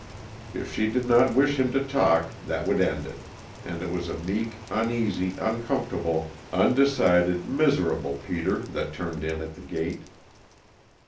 If she did not wish him to talk, that would end it, and it was a meek, uneasy, uncomfortable, undecided, miserable Peter that turned in at the gate.